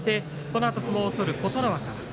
このあと相撲を取る琴ノ若。